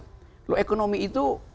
kalau ekonomi itu